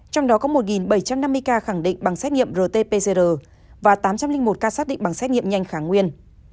trong đó có một bảy trăm năm mươi ca khẳng định bằng xét nghiệm rt pcr và tám trăm linh một ca xác định bằng xét nghiệm nhanh kháng nguyên